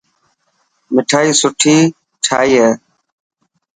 مٺائي سٺي ٺاهي هي.